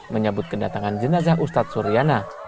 menyebut kedatangan jenazah ustadz soriana